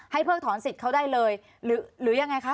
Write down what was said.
เพิกถอนสิทธิ์เขาได้เลยหรือยังไงคะ